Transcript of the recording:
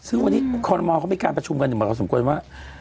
ซึ่งวันนี้คลอร์นมอร์เขาไม่กล้าประชุมกันแต่เขาสมควรว่า